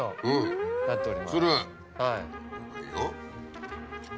はい。